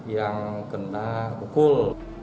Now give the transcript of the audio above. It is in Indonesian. yang kena pukul